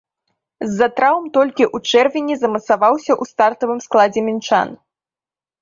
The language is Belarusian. З-за траўм толькі ў чэрвені замацаваўся ў стартавым складзе мінчан.